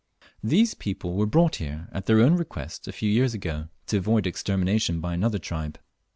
These people were brought here at their own request a few years ago, to avoid extermination by another tribe.